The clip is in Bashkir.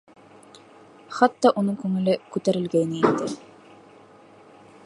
Хатта уның күңеле күтәрелгәйне инде.